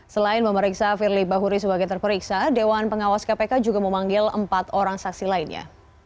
selain memeriksa firly bahuri sebagai terperiksa dewan pengawas kpk juga memanggil empat orang saksi lainnya